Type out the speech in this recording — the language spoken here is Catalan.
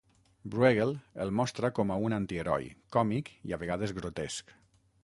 Brueghel el mostra com a un antiheroi, còmic i a vegades grotesc.